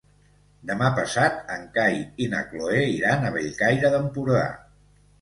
Demà passat en Cai i na Cloè iran a Bellcaire d'Empordà.